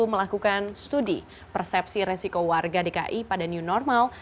melakukan studi persepsi resiko warga dki pada new normal